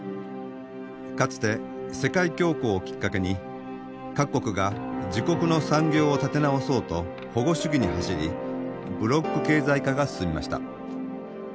かつて世界恐慌をきっかけに各国が自国の産業を立て直そうと保護主義に走りブロック経済化が進みました。